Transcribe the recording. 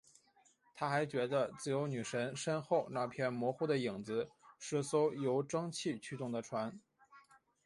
他还觉得自由女神身后那片模糊的影子是艘由蒸汽驱动的船。